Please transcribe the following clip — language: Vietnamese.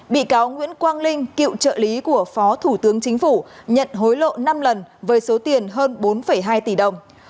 bị cáo nguyễn quang linh cựu trợ lý của phó thủ tướng chính phủ nhận hối lộ năm lần với số tiền hơn bốn hai tỷ đồng